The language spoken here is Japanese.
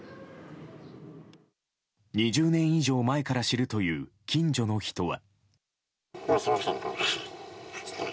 ２０年以上前から知るという近所の人は。